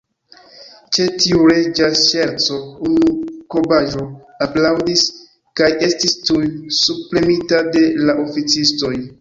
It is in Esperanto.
Ĉe tiu reĝa ŝerco, unu kobajo aplaŭdis, kaj estis tuj subpremita de la oficistoj.